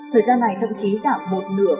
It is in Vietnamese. thời gian này thậm chí giảm một nửa